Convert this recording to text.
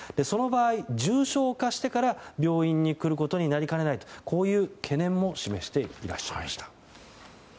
その場合、重症化してから病院に来ることになりかねないという懸念も示していらっしゃいました。